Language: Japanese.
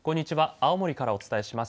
青森からお伝えします。